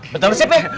betul sih peh